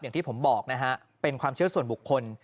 อย่างที่ผมบอกนะฮะเป็นความเชื่อส่วนบุคคล